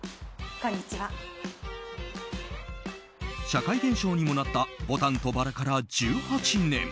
社会現象にもなった「牡丹と薔薇」から１８年。